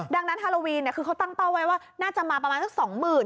ดังนั้นฮาโลวีนคือเขาตั้งเป้าไว้ว่าน่าจะมาประมาณสักสองหมื่น